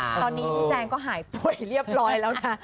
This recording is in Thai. ตอนนี้พี่แจงก็หายป่วยเรียบร้อยแล้วนะ